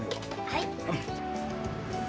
はい。